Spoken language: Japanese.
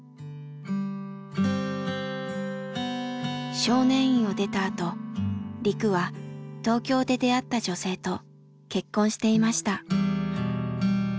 少年院を出たあとリクは東京で出会った女性と結婚していました。